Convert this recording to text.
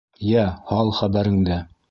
- Йә, һал хәбәреңде.